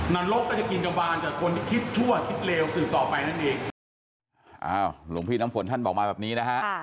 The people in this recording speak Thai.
นรกก็จะกินกระบานกับคนที่คิดชั่วคิดเลวสืบต่อไปนั่นเองอ้าวหลวงพี่น้ำฝนท่านบอกมาแบบนี้นะฮะ